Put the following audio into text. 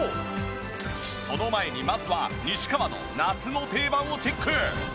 その前にまずは西川の夏の定番をチェック。